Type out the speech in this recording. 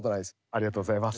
ありがとうございます。